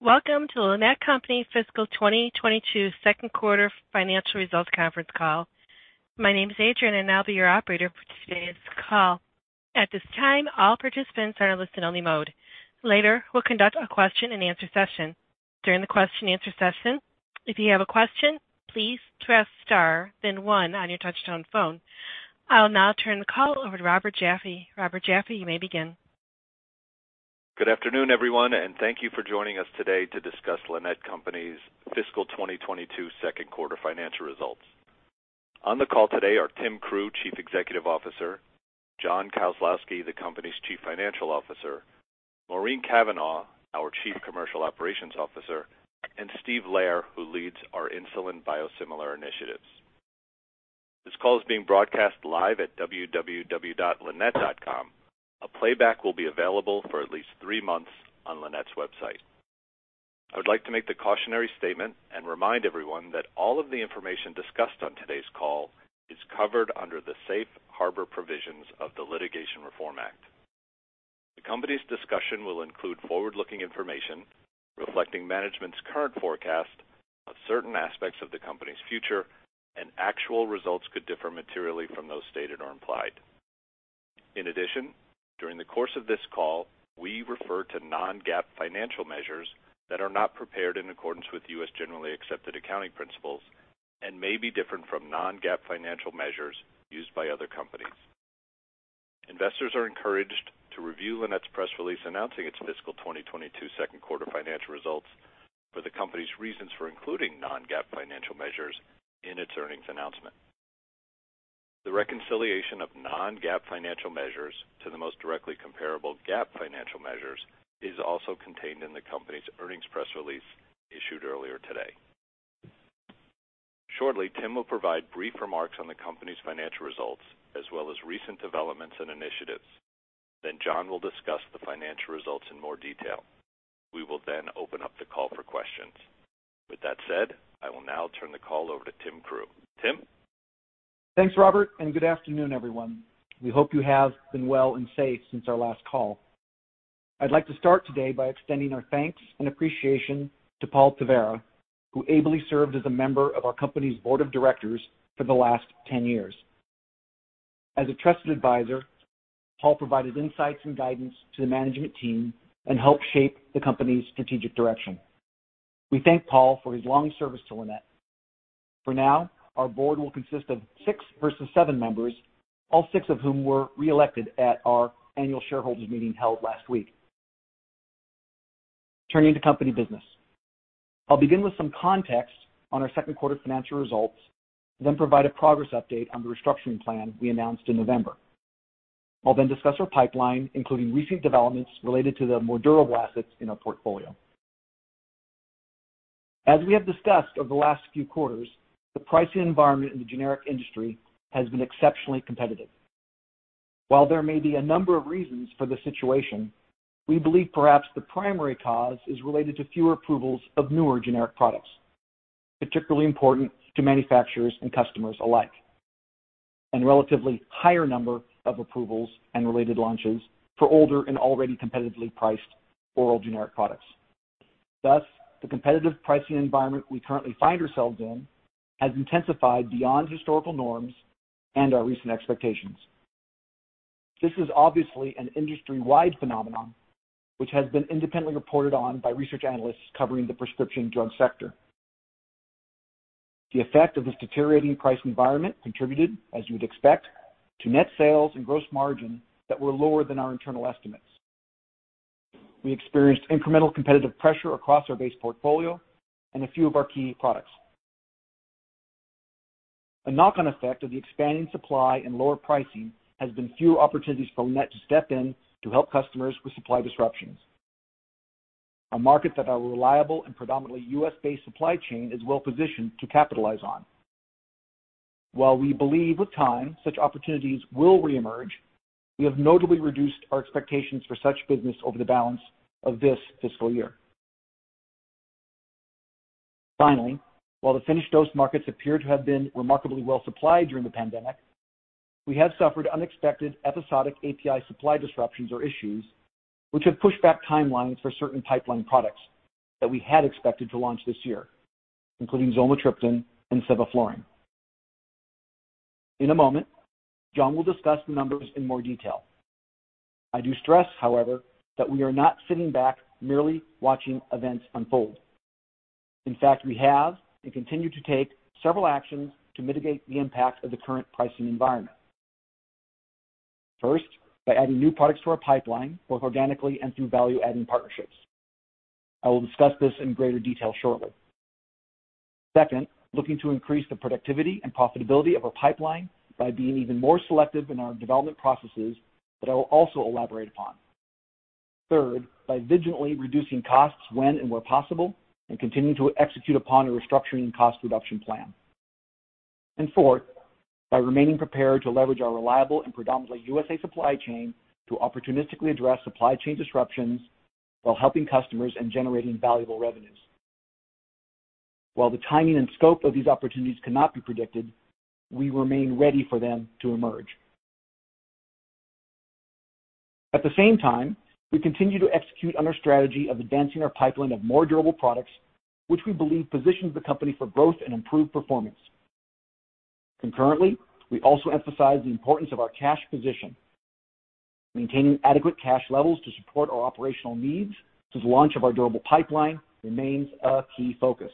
Welcome to Lannett Company Fiscal 2022 second quarter financial results conference call. My name is Adrian. I'll now be your operator for today's call. At this time, all participants are in listen-only mode. Later, we'll conduct a Q&A session. During the Q&A session, if you have a question, please press star, then one on your touchtone phone. I'll now turn the call over to Robert Jaffe. Robert Jaffe, you may begin. Good afternoon, everyone, and thank you for joining us today to discuss Lannett Company's fiscal 2022 second quarter financial results. On the call today are Tim Crew, Chief Executive Officer, John Kozlowski, the company's Chief Financial Officer, Maureen Cavanaugh, our Chief Commercial Operations Officer, and Steve Lehrer, who leads our biosimilar insulin initiatives. This call is being broadcast live at www.lannett.com. A playback will be available for at least three months on Lannett's website. I would like to make the cautionary statement and remind everyone that all of the information discussed on today's call is covered under the safe harbor provisions of the Private Securities Litigation Reform Act. The company's discussion will include forward-looking information reflecting management's current forecast on certain aspects of the company's future, and actual results could differ materially from those stated or implied. In addition, during the course of this call, we refer to non-GAAP financial measures that are not prepared in accordance with U.S. generally accepted accounting principles and may be different from non-GAAP financial measures used by other companies. Investors are encouraged to review Lannett's press release announcing its fiscal 2022 second quarter financial results for the company's reasons for including non-GAAP financial measures in its earnings announcement. The reconciliation of non-GAAP financial measures to the most directly comparable GAAP financial measures is also contained in the company's earnings press release issued earlier today. Shortly, Tim will provide brief remarks on the company's financial results, as well as recent developments and initiatives. Then John will discuss the financial results in more detail. We will then open up the call for questions. With that said, I will now turn the call over to Tim Crew. Tim? Thanks, Robert, and good afternoon, everyone. We hope you have been well and safe since our last call. I'd like to start today by extending our thanks and appreciation to Paul Taveira, who ably served as a member of our company's board of directors for the last 10 years. As a trusted advisor, Paul provided insights and guidance to the management team and helped shape the company's strategic direction. We thank Paul for his long service to Lannett. For now, our board will consist of six versus seven members, all six of whom were reelected at our annual shareholders meeting held last week. Turning to company business. I'll begin with some context on our second quarter financial results, then provide a progress update on the restructuring plan we announced in November. I'll then discuss our pipeline, including recent developments related to the more durable assets in our portfolio. As we have discussed over the last few quarters, the pricing environment in the generic industry has been exceptionally competitive. While there may be a number of reasons for this situation, we believe perhaps the primary cause is related to fewer approvals of newer generic products, particularly important to manufacturers and customers alike, and a relatively higher number of approvals and related launches for older and already competitively priced oral generic products. Thus, the competitive pricing environment we currently find ourselves in has intensified beyond historical norms and our recent expectations. This is obviously an industry-wide phenomenon, which has been independently reported on by research analysts covering the prescription drug sector. The effect of this deteriorating price environment contributed, as you would expect, to net sales and gross margin that were lower than our internal estimates. We experienced incremental competitive pressure across our base portfolio and a few of our key products. A knock-on effect of the expanding supply and lower pricing has been fewer opportunities for Lannett to step in to help customers with supply disruptions in our markets that our reliable and predominantly U.S.-based supply chain is well positioned to capitalize on. While we believe with time such opportunities will reemerge, we have notably reduced our expectations for such business over the balance of this fiscal year. Finally, while the finished dose markets appear to have been remarkably well supplied during the pandemic, we have suffered unexpected episodic API supply disruptions or issues which have pushed back timelines for certain pipeline products that we had expected to launch this year, including zolmitriptan and ceftaroline. In a moment, John will discuss the numbers in more detail. I do stress, however, that we are not sitting back merely watching events unfold. In fact, we have and continue to take several actions to mitigate the impact of the current pricing environment. First, by adding new products to our pipeline, both organically and through value-adding partnerships. I will discuss this in greater detail shortly. Second, looking to increase the productivity and profitability of our pipeline by being even more selective in our development processes that I will also elaborate upon. Third, by vigilantly reducing costs when and where possible, and continuing to execute upon a restructuring cost reduction plan. Fourth, by remaining prepared to leverage our reliable and predominantly USA supply chain to opportunistically address supply chain disruptions while helping customers and generating valuable revenues. While the timing and scope of these opportunities cannot be predicted, we remain ready for them to emerge. At the same time, we continue to execute on our strategy of advancing our pipeline of more durable products, which we believe positions the company for growth and improved performance. Concurrently, we also emphasize the importance of our cash position. Maintaining adequate cash levels to support our operational needs since launch of our durable pipeline remains a key focus.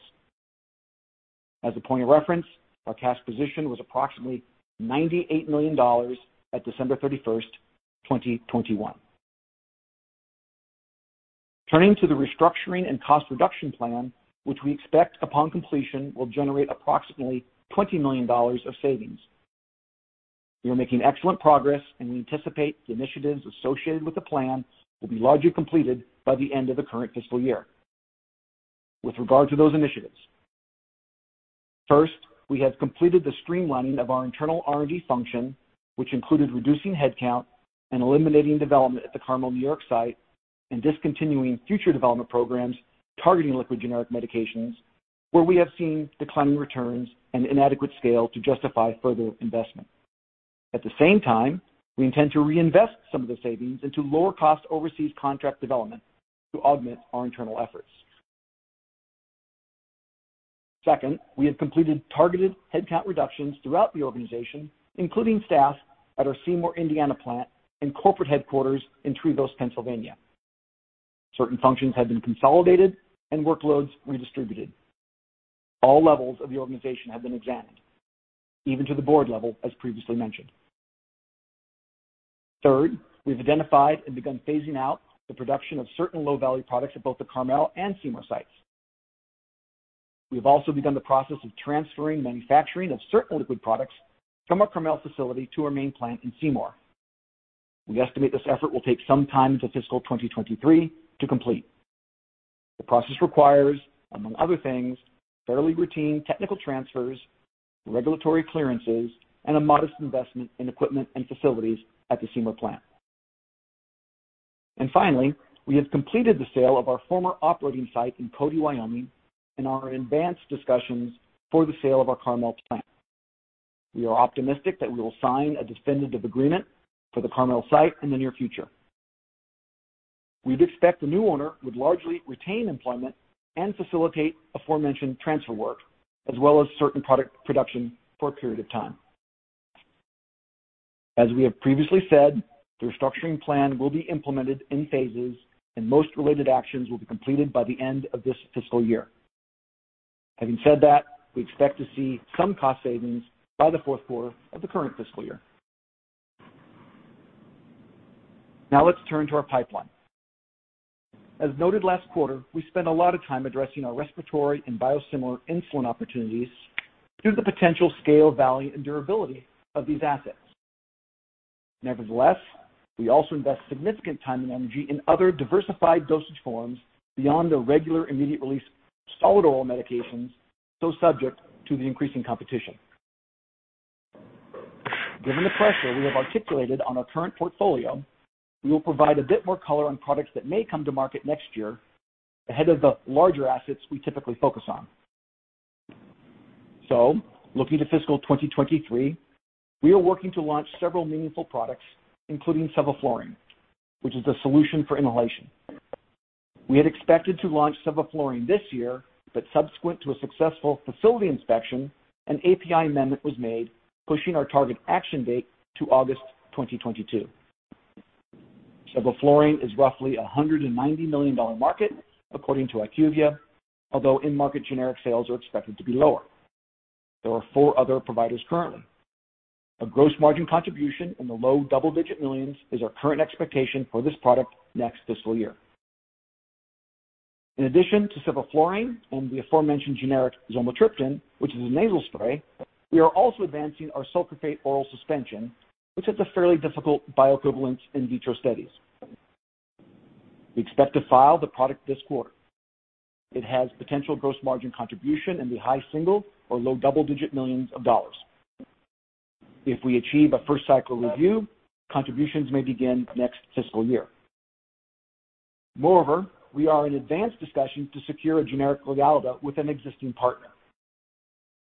As a point of reference, our cash position was approximately $98 million at December 31st, 2021. Turning to the restructuring and cost reduction plan, which we expect upon completion will generate approximately $20 million of savings. We are making excellent progress, and we anticipate the initiatives associated with the plan will be largely completed by the end of the current fiscal year. With regard to those initiatives, first, we have completed the streamlining of our internal R&D function, which included reducing headcount and eliminating development at the Carmel, New York site, and discontinuing future development programs targeting liquid generic medications where we have seen declining returns and inadequate scale to justify further investment. At the same time, we intend to reinvest some of the savings into lower cost overseas contract development to augment our internal efforts. Second, we have completed targeted headcount reductions throughout the organization, including staff at our Seymour, Indiana plant and corporate headquarters in Trevose, Pennsylvania. Certain functions have been consolidated and workloads redistributed. All levels of the organization have been examined, even to the board level, as previously mentioned. Third, we've identified and begun phasing out the production of certain low-value products at both the Carmel and Seymour sites. We have also begun the process of transferring manufacturing of certain liquid products from our Carmel facility to our main plant in Seymour. We estimate this effort will take some time into fiscal 2023 to complete. The process requires, among other things, fairly routine technical transfers, regulatory clearances, and a modest investment in equipment and facilities at the Seymour plant. We have completed the sale of our former operating site in Cody, Wyoming, and are in advanced discussions for the sale of our Carmel plant. We are optimistic that we will sign a definitive agreement for the Carmel site in the near future. We'd expect the new owner would largely retain employment and facilitate aforementioned transfer work, as well as certain product production for a period of time. As we have previously said, the restructuring plan will be implemented in phases and most related actions will be completed by the end of this fiscal year. Having said that, we expect to see some cost savings by the fourth quarter of the current fiscal year. Now let's turn to our pipeline. As noted last quarter, we spent a lot of time addressing our respiratory and biosimilar insulin opportunities due to the potential scale, value, and durability of these assets. Nevertheless, we also invest significant time and energy in other diversified dosage forms beyond the regular immediate release solid oral medications, so subject to the increasing competition. Given the pressure we have articulated on our current portfolio, we will provide a bit more color on products that may come to market next year ahead of the larger assets we typically focus on. Looking to fiscal 2023, we are working to launch several meaningful products, including sevoflurane, which is a solution for inhalation. We had expected to launch sevoflurane this year, but subsequent to a successful facility inspection, an API amendment was made pushing our target action date to August 2022. sevoflurane is roughly a $190 million market according to IQVIA, although end market generic sales are expected to be lower. There are four other providers currently. A gross margin contribution in the low double-digit millions is our current expectation for this product next fiscal year. In addition to sevoflurane and the aforementioned generic zolmitriptan, which is a nasal spray, we are also advancing our ursodiol oral suspension, which has a fairly difficult bioequivalence and in vitro studies. We expect to file the product this quarter. It has potential gross margin contribution in the high single- or low double-digit millions of dollars. If we achieve a first cycle review, contributions may begin next fiscal year. Moreover, we are in advanced discussions to secure a generic Lialda with an existing partner.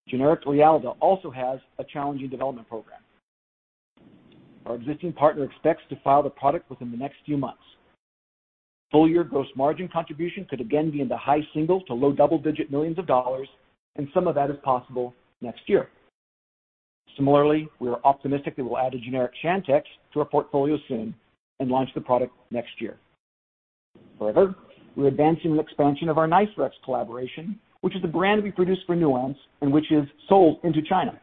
Generic Lialda also has a challenging development program. Our existing partner expects to file the product within the next few months. Full year gross margin contribution could again be in the high single- to low double-digit millions of dollars, and some of that is possible next year. Similarly, we are optimistic that we'll add a generic Chantix to our portfolio soon and launch the product next year. Further, we're advancing the expansion of our Nystrex collaboration, which is a brand we produce for Nuance and which is sold into China.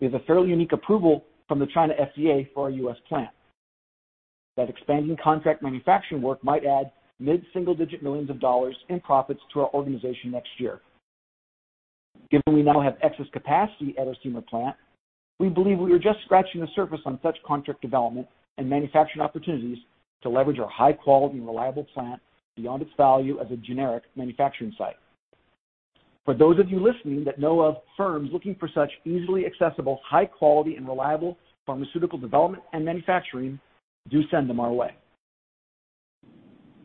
We have a fairly unique approval from the China FDA for our U.S. plant. That expanding contract manufacturing work might add mid-single digit millions of dollars in profits to our organization next year. Given we now have excess capacity at our Seymour plant, we believe we are just scratching the surface on such contract development and manufacturing opportunities to leverage our high quality and reliable plant beyond its value as a generic manufacturing site. For those of you listening that know of firms looking for such easily accessible, high quality and reliable pharmaceutical development and manufacturing, do send them our way.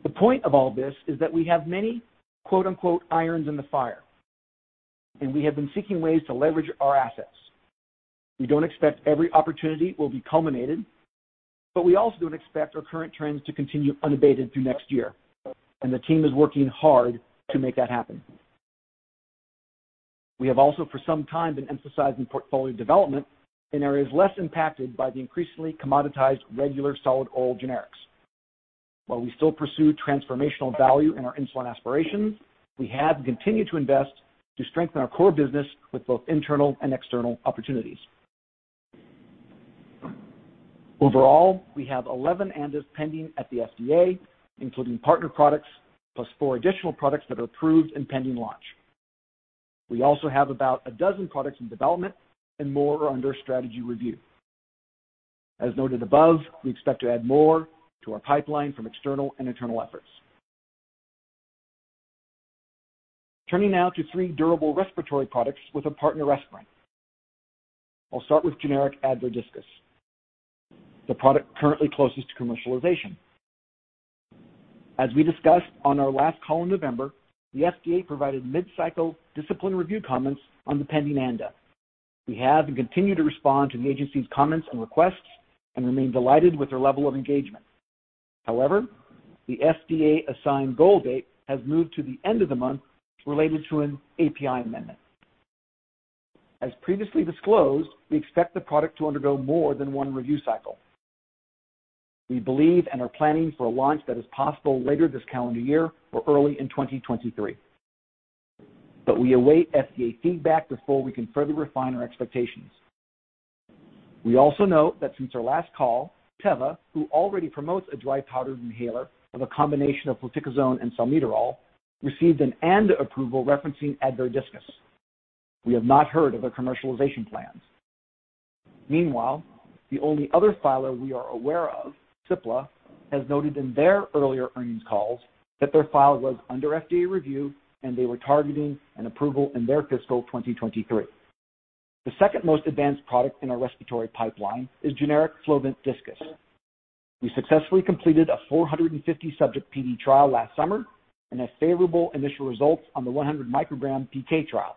The point of all this is that we have many quote-unquote "irons in the fire," and we have been seeking ways to leverage our assets. We don't expect every opportunity will be culminated, but we also don't expect our current trends to continue unabated through next year, and the team is working hard to make that happen. We have also for some time been emphasizing portfolio development in areas less impacted by the increasingly commoditized regular solid oral generics. While we still pursue transformational value in our insulin aspirations, we have and continue to invest to strengthen our core business with both internal and external opportunities. Overall, we have 11 ANDAs pending at the FDA, including partner products, +4 additional products that are approved and pending launch. We also have about 12 products in development and more are under strategy review. As noted above, we expect to add more to our pipeline from external and internal efforts. Turning now to three durable respiratory products with a partner Respirent. I'll start with generic Advair Diskus, the product currently closest to commercialization. As we discussed on our last call in November, the FDA provided mid-cycle discipline review comments on the pending ANDA. We have and continue to respond to the agency's comments and requests and remain delighted with their level of engagement. However, the FDA assigned goal date has moved to the end of the month related to an API amendment. As previously disclosed, we expect the product to undergo more than one review cycle. We believe and are planning for a launch that is possible later this calendar year or early in 2023, but we await FDA feedback before we can further refine our expectations. We also note that since our last call, Teva, who already promotes a dry powder inhaler of a combination of fluticasone and salmeterol, received an ANDA approval referencing Advair Diskus. We have not heard of their commercialization plans. Meanwhile, the only other filer we are aware of, Cipla, has noted in their earlier earnings calls that their file was under FDA review and they were targeting an approval in their fiscal 2023. The second most advanced product in our respiratory pipeline is generic Flovent Diskus. We successfully completed a 450-subject PD trial last summer and have favorable initial results on the 100 mg PK trial.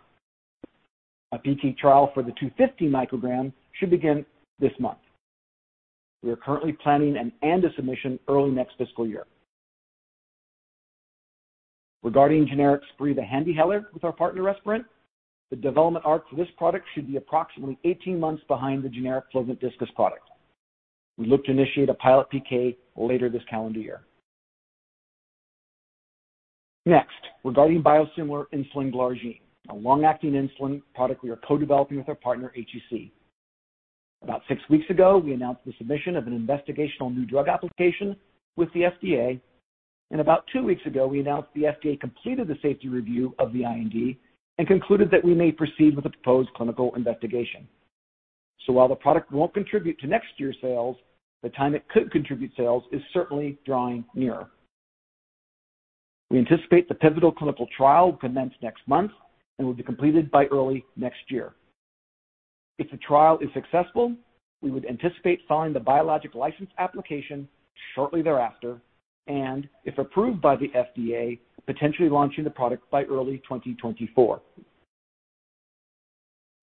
A PK trial for the 250 mg should begin this month. We are currently planning an ANDA submission early next fiscal year. Regarding generic Spiriva HandiHaler with our partner Respirent, the development arc for this product should be approximately 18 months behind the generic Flovent Diskus product. We look to initiate a pilot PK later this calendar year. Next, regarding biosimilar insulin glargine, a long-acting insulin product we are co-developing with our partner HEC. About six weeks ago, we announced the submission of an investigational new drug application with the FDA, and about two weeks ago, we announced the FDA completed the safety review of the IND and concluded that we may proceed with the proposed clinical investigation. While the product won't contribute to next year's sales, the time it could contribute sales is certainly drawing nearer. We anticipate the pivotal clinical trial will commence next month and will be completed by early next year. If the trial is successful, we would anticipate filing the biologic license application shortly thereafter, and if approved by the FDA, potentially launching the product by early 2024.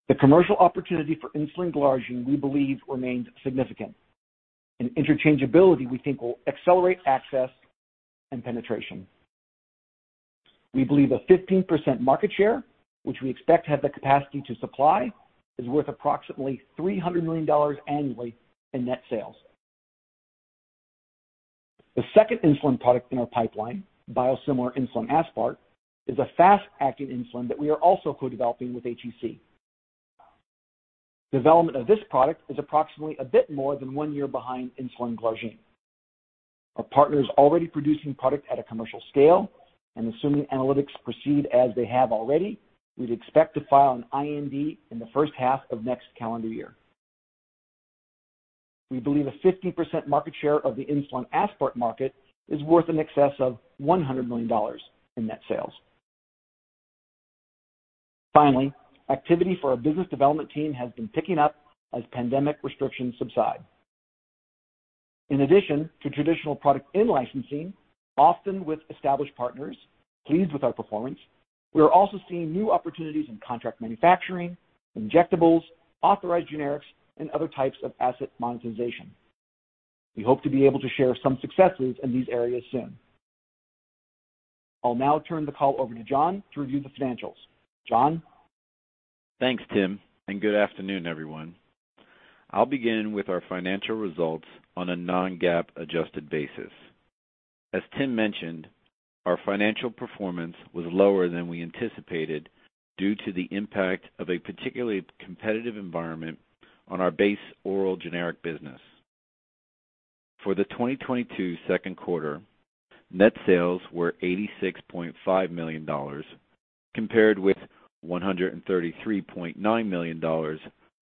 The commercial opportunity for insulin glargine, we believe, remains significant. Interchangeability, we think, will accelerate access and penetration. We believe a 15% market share, which we expect to have the capacity to supply, is worth approximately $300 million annually in net sales. The second insulin product in our pipeline, biosimilar insulin aspart, is a fast-acting insulin that we are also co-developing with HEC. Development of this product is approximately a bit more than one year behind insulin glargine. Our partner is already producing product at a commercial scale, and assuming analytics proceed as they have already, we'd expect to file an IND in the first half of next calendar year. We believe a 50% market share of the insulin aspart market is worth in excess of $100 million in net sales. Finally, activity for our business development team has been picking up as pandemic restrictions subside. In addition to traditional product in-licensing, often with established partners pleased with our performance, we are also seeing new opportunities in contract manufacturing, injectables, authorized generics, and other types of asset monetization. We hope to be able to share some successes in these areas soon. I'll now turn the call over to John to review the financials. John? Thanks, Tim, and good afternoon, everyone. I'll begin with our financial results on a non-GAAP adjusted basis. As Tim mentioned, our financial performance was lower than we anticipated due to the impact of a particularly competitive environment on our base oral generic business. For the 2022 second quarter, net sales were $86.5 million, compared with $133.9 million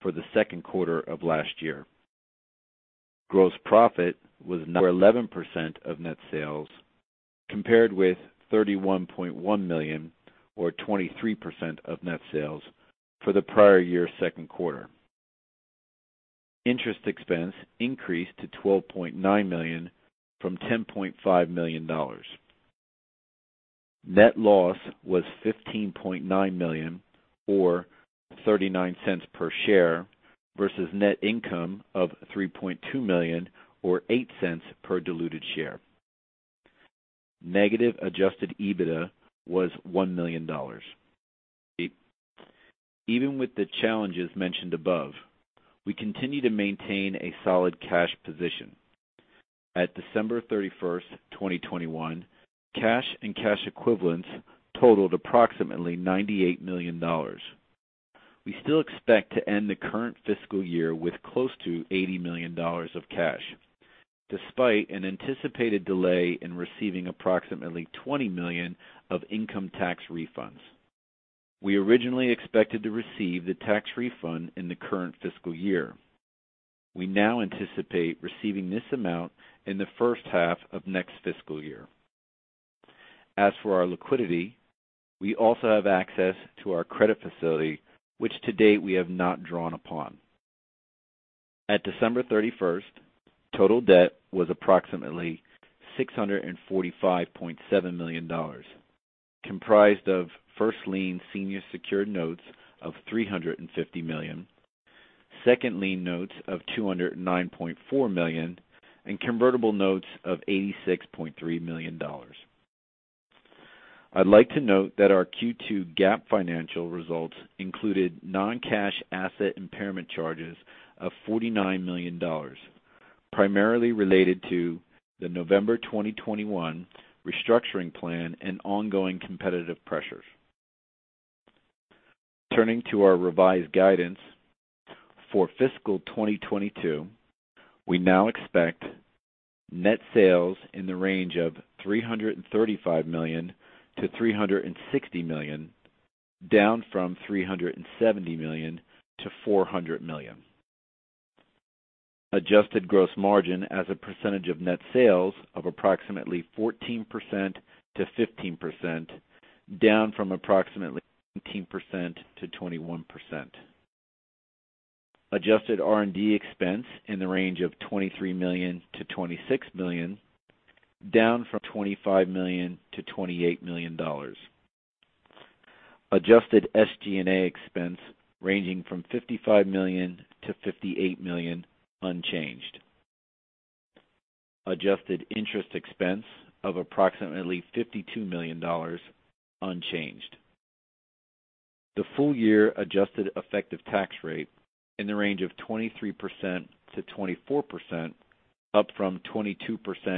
for the second quarter of last year. Gross profit was 11% of net sales, compared with $31.1 million or 23% of net sales for the prior year's second quarter. Interest expense increased to $12.9 million from $10.5 million. Net loss was $15.9 million or $0.39 per share versus net income of $3.2 million or $0.08 per diluted share. Negative adjusted EBITDA was $1 million. Even with the challenges mentioned above, we continue to maintain a solid cash position. At December 31st, 2021, cash and cash equivalents totaled approximately $98 million. We still expect to end the current fiscal year with close to $80 million of cash, despite an anticipated delay in receiving approximately $20 million of income tax refunds. We originally expected to receive the tax refund in the current fiscal year. We now anticipate receiving this amount in the first half of next fiscal year. As for our liquidity, we also have access to our credit facility, which to date we have not drawn upon. At December 31st, total debt was approximately $645.7 million, comprised of first lien senior secured notes of $350 million, second lien notes of $209.4 million, and convertible notes of $86.3 million. I'd like to note that our Q2 GAAP financial results included non-cash asset impairment charges of $49 million, primarily related to the November 2021 restructuring plan and ongoing competitive pressures. Turning to our revised guidance. For fiscal 2022, we now expect net sales in the range of $335 million-$360 million, down from $370 million-$400 million. Adjusted gross margin as a percentage of net sales of approximately 14%-15%, down from approximately 17%-21%. Adjusted R&D expense in the range of $23 million-$26 million, down from $25 million-$28 million. Adjusted SG&A expense ranging from $55 million-$58 million, unchanged. Adjusted interest expense of approximately $52 million, unchanged. The full year adjusted effective tax rate in the range of 23%-24%, up from 22%-23%.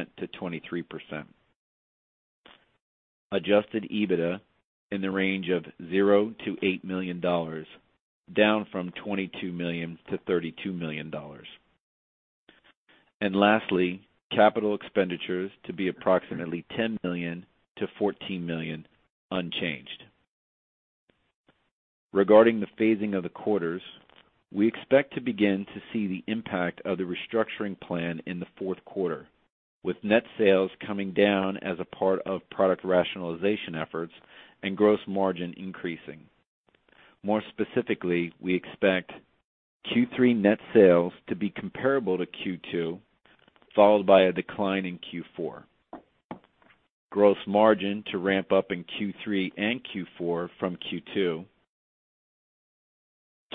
Adjusted EBITDA in the range of $0-$8 million, down from $22 million-$32 million. Lastly, capital expenditures to be approximately $10 million-$14 million, unchanged. Regarding the phasing of the quarters, we expect to begin to see the impact of the restructuring plan in the fourth quarter, with net sales coming down as a part of product rationalization efforts and gross margin increasing. More specifically, we expect Q3 net sales to be comparable to Q2, followed by a decline in Q4. Gross margin to ramp up in Q3 and Q4 from Q2.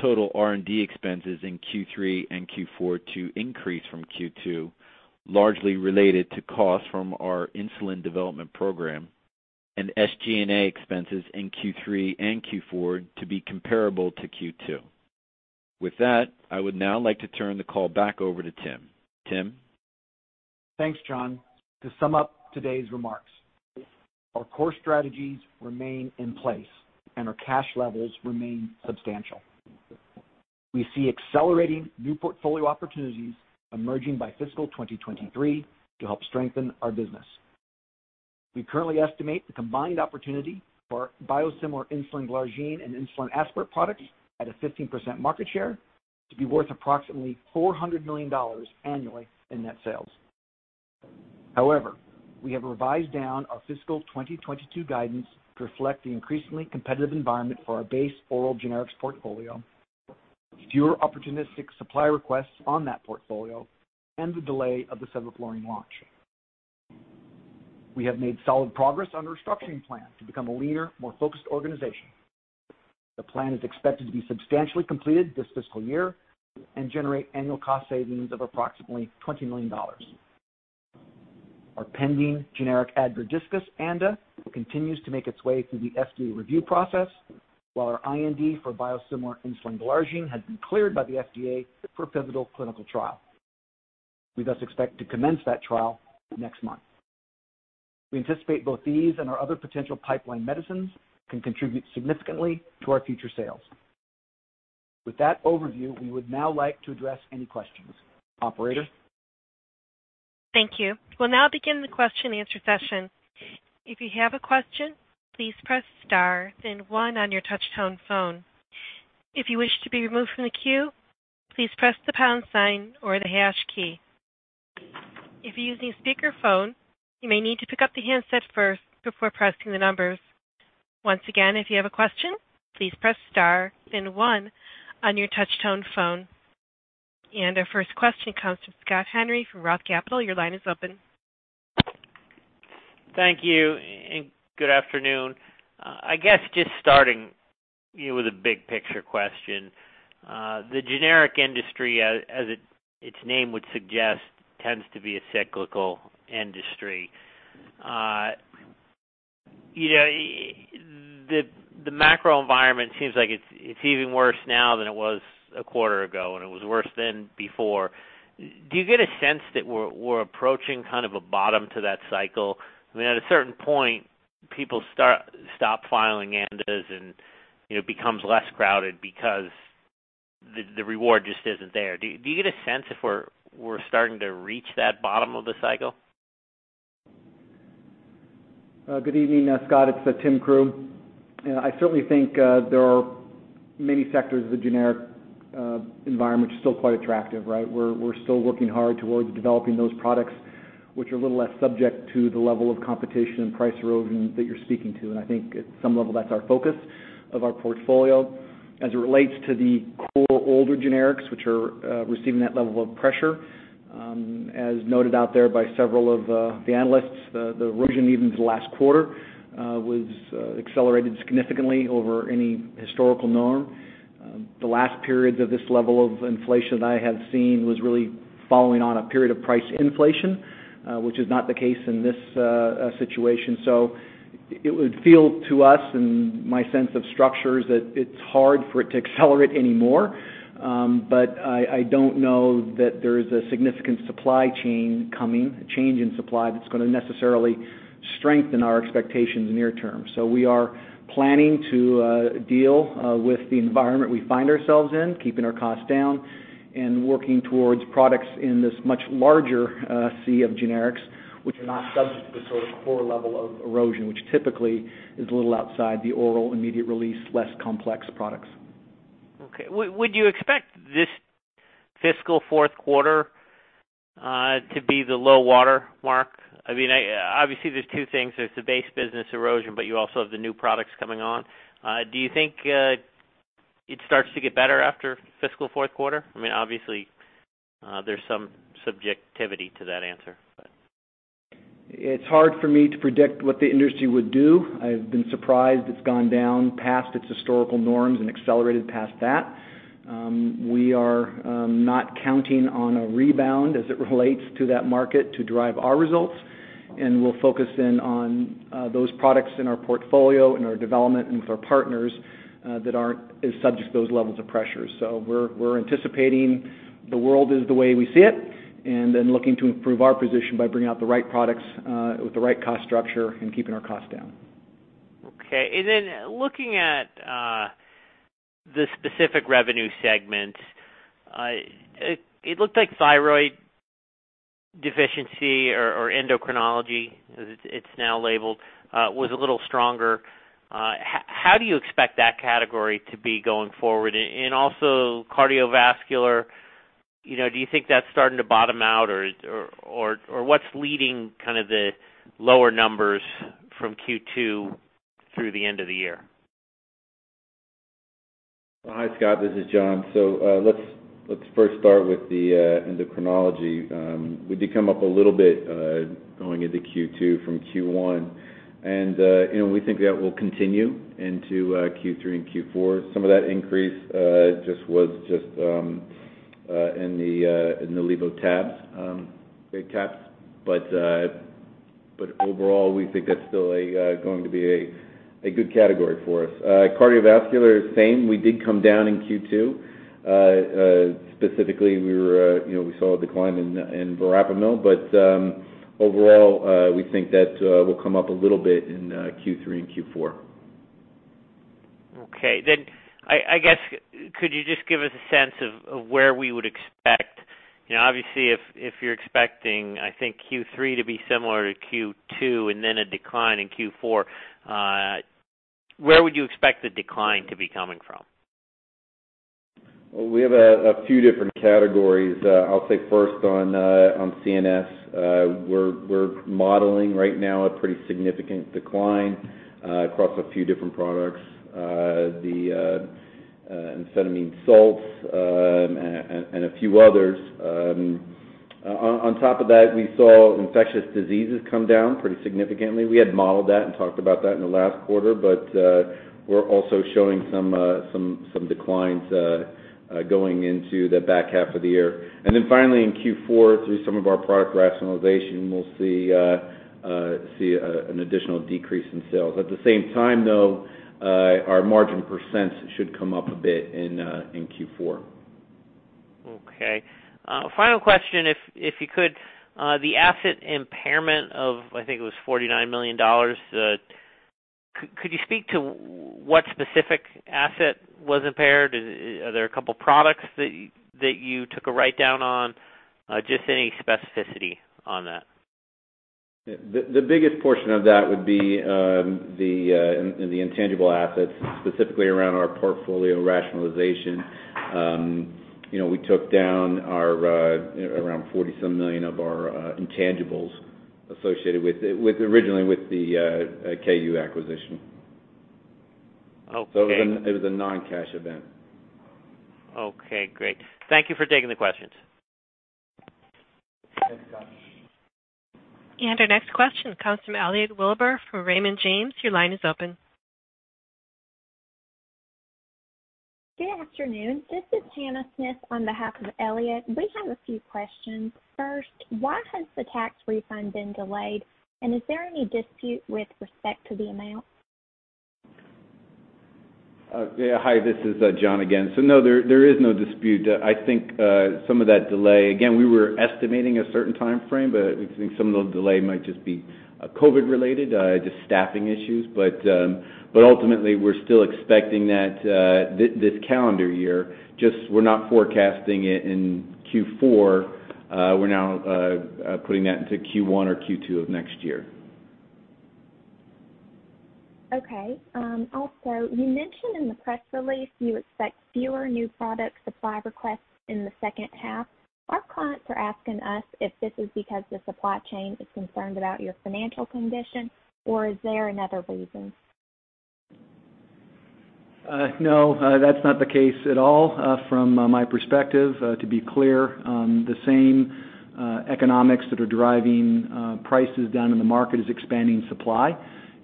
Total R&D expenses in Q3 and Q4 to increase from Q2, largely related to costs from our insulin development program, and SG&A expenses in Q3 and Q4 to be comparable to Q2. With that, I would now like to turn the call back over to Tim. Tim? Thanks, John. To sum up today's remarks, our core strategies remain in place and our cash levels remain substantial. We see accelerating new portfolio opportunities emerging by fiscal 2023 to help strengthen our business. We currently estimate the combined opportunity for biosimilar insulin glargine and insulin aspart products at a 15% market share to be worth approximately $400 million annually in net sales. However, we have revised down our fiscal 2022 guidance to reflect the increasingly competitive environment for our base oral generics portfolio, fewer opportunistic supply requests on that portfolio, and the delay of the sevoflurane launch. We have made solid progress on the restructuring plan to become a leaner, more focused organization. The plan is expected to be substantially completed this fiscal year and generate annual cost savings of approximately $20 million. Our pending generic Advair Diskus ANDA continues to make its way through the FDA review process, while our IND for biosimilar insulin glargine has been cleared by the FDA for a pivotal clinical trial. We thus expect to commence that trial next month. We anticipate both these and our other potential pipeline medicines can contribute significantly to our future sales. With that overview, we would now like to address any questions. Operator? Thank you. We'll now begin the Q&A session. If you have a question, please press star then one on your touch-tone phone. If you wish to be removed from the queue, please press the pound sign or the hash key. If you're using speakerphone, you may need to pick up the handset first before pressing the numbers. Once again, if you have a question, please press star, then one on your touch-tone phone. Our first question comes from Scott Henry from Roth Capital. Your line is open. Thank you and good afternoon. I guess just starting, you know, with a big picture question. The generic industry, as its name would suggest, tends to be a cyclical industry. You know, the macro environment seems like it's even worse now than it was a quarter ago, and it was worse than before. Do you get a sense that we're approaching kind of a bottom to that cycle? I mean, at a certain point, people stop filing ANDAs and, you know, becomes less crowded because the reward just isn't there. Do you get a sense if we're starting to reach that bottom of the cycle? Good evening, Scott. It's Tim Crew. You know, I certainly think there are many sectors of the generic environment which are still quite attractive, right? We're still working hard towards developing those products which are a little less subject to the level of competition and price erosion that you're speaking to. I think at some level, that's our focus of our portfolio. As it relates to the core older generics which are receiving that level of pressure, as noted out there by several of the analysts, the erosion, even to last quarter, was accelerated significantly over any historical norm. The last periods of this level of inflation that I have seen was really following on a period of price inflation, which is not the case in this situation. It would feel to us and my sense is that it's hard for it to accelerate any more. I don't know that there is a significant supply chain coming, a change in supply that's gonna necessarily strengthen our expectations near term. We are planning to deal with the environment we find ourselves in, keeping our costs down and working towards products in this much larger sea of generics which are not subject to the sort of core level of erosion, which typically is a little outside the oral, immediate release, less complex products. Okay. Would you expect this fiscal fourth quarter to be the low watermark? I mean, obviously, there's two things. There's the base business erosion, but you also have the new products coming on. Do you think it starts to get better after fiscal fourth quarter? I mean, obviously, there's some subjectivity to that answer, but. It's hard for me to predict what the industry would do. I've been surprised it's gone down past its historical norms and accelerated past that. We are not counting on a rebound as it relates to that market to drive our results, and we'll focus in on those products in our portfolio, in our development and with our partners that aren't as subject to those levels of pressure. We're anticipating the world is the way we see it and then looking to improve our position by bringing out the right products with the right cost structure and keeping our costs down. Okay. Then looking at the specific revenue segment, it looked like thyroid deficiency or endocrinology as it's now labeled was a little stronger. How do you expect that category to be going forward? Also cardiovascular, you know, do you think that's starting to bottom out or what's leading kind of the lower numbers from Q2 through the end of the year? Well, hi, Scott. This is John. Let's first start with the endocrinology. We did come up a little bit going into Q2 from Q1. You know, we think that will continue into Q3 and Q4. Some of that increase just was in the levothyroxine tabs. Overall, we think that's still going to be a good category for us. Cardiovascular, same. We did come down in Q2. Specifically, you know, we saw a decline in verapamil. Overall, we think that will come up a little bit in Q3 and Q4. Okay. I guess, could you just give us a sense of where we would expect? You know, obviously, if you're expecting, I think, Q3 to be similar to Q2 and then a decline in Q4, where would you expect the decline to be coming from? Well, we have a few different categories. I'll take first on CNS. We're modeling right now a pretty significant decline across a few different products. The amphetamine salts and a few others. On top of that, we saw infectious diseases come down pretty significantly. We had modeled that and talked about that in the last quarter, but we're also showing some declines going into the back half of the year. Then finally, in Q4, through some of our product rationalization, we'll see an additional decrease in sales. At the same time, though, our margin percents should come up a bit in Q4. Okay. Final question, if you could, the asset impairment of, I think it was $49 million. Could you speak to what specific asset was impaired? Are there a couple products that you took a write down on? Just any specificity on that. The biggest portion of that would be the intangible assets, specifically around our portfolio rationalization. You know, we took down our, you know, around $47 million of our intangibles associated with it, originally with the KU acquisition. Okay. It was a non-cash event. Okay, great. Thank you for taking the questions. Thanks, Scott. Our next question comes from Elliot Wilbur from Raymond James. Your line is open. Good afternoon. This is Hannah Smith on behalf of Elliot. We have a few questions. First, why has the tax refund been delayed, and is there any dispute with respect to the amount? Hi, this is John again. No, there is no dispute. I think some of that delay. Again, we were estimating a certain timeframe, but we think some of those delays might just be COVID-related, just staffing issues. Ultimately, we're still expecting that this calendar year, just we're not forecasting it in Q4. We're now putting that into Q1 or Q2 of next year. Okay. Also, you mentioned in the press release you expect fewer new product supply requests in the second half. Our clients are asking us if this is because the supply chain is concerned about your financial condition or is there another reason? No, that's not the case at all, from my perspective. To be clear, the same economics that are driving prices down in the market is expanding supply.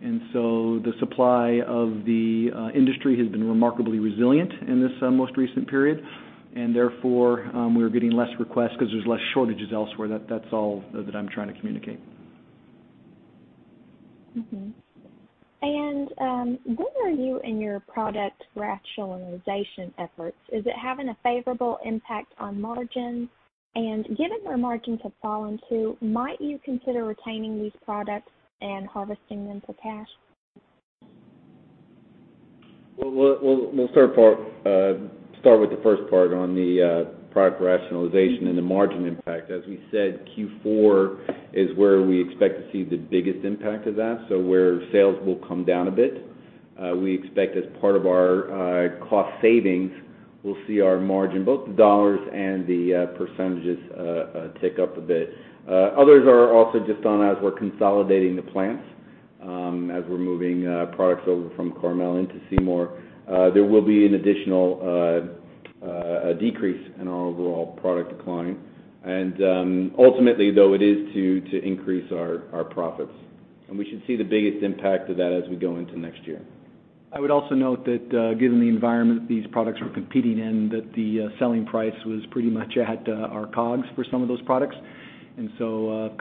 The supply of the industry has been remarkably resilient in this most recent period. We're getting less requests 'cause there's less shortages elsewhere. That's all that I'm trying to communicate. Mm-hmm. Where are you in your product rationalization efforts? Is it having a favorable impact on margins? Given their margins have fallen too, might you consider retaining these products and harvesting them for cash? We'll start with the first part on the product rationalization and the margin impact. As we said, Q4 is where we expect to see the biggest impact of that, so where sales will come down a bit. We expect as part of our cost savings, we'll see our margin, both the dollars and the percentages, tick up a bit. Others are also just as we're consolidating the plants, as we're moving products over from Carmel into Seymour. There will be an additional decrease in our overall product decline. Ultimately, though, it is to increase our profits. We should see the biggest impact of that as we go into next year. I would also note that given the environment these products were competing in, that the selling price was pretty much at our COGS for some of those products.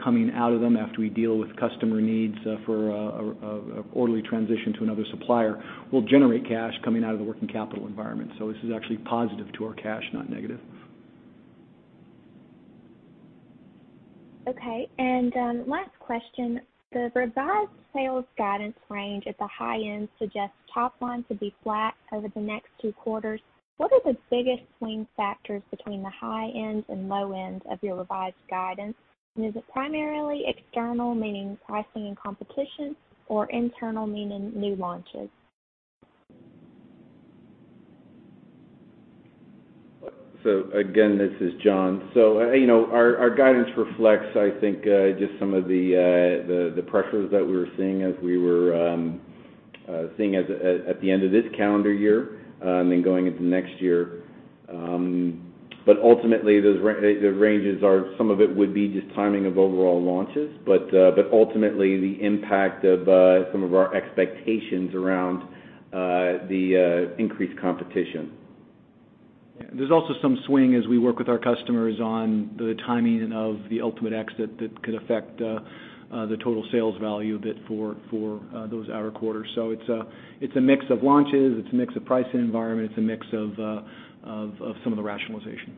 Coming out of them after we deal with customer needs, for a orderly transition to another supplier will generate cash coming out of the working capital environment. This is actually positive to our cash, not negative. Okay. Last question: The revised sales guidance range at the high end suggests top line to be flat over the next two quarters. What are the biggest swing factors between the high ends and low ends of your revised guidance? And is it primarily external, meaning pricing and competition, or internal, meaning new launches? Again, this is John. You know, our guidance reflects, I think, just some of the pressures that we were seeing at the end of this calendar year and then going into next year. But ultimately, the ranges are some of it would be just timing of overall launches, but ultimately, the impact of some of our expectations around the increased competition. There's also some swing as we work with our customers on the timing of the ultimate exit that could affect the total sales value a bit for those outer quarters. It's a mix of launches. It's a mix of pricing environment. It's a mix of some of the rationalization.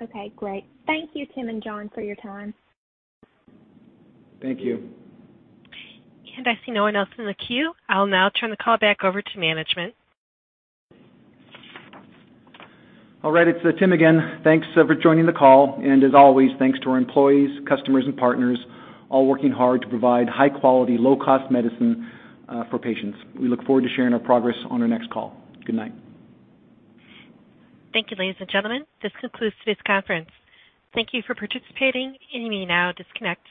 Okay, great. Thank you, Tim and John, for your time. Thank you. I see no one else in the queue. I'll now turn the call back over to management. All right. It's Tim again. Thanks for joining the call. As always, thanks to our employees, customers, and partners, all working hard to provide high quality, low cost medicine for patients. We look forward to sharing our progress on our next call. Good night. Thank you, ladies and gentlemen. This concludes today's conference. Thank you for participating. You may now disconnect.